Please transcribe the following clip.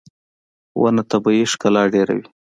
• ونه طبیعي ښکلا ډېروي.